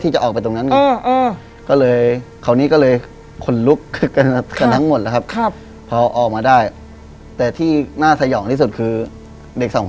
ใช่ครับเอาไว้ข้างหลังเลย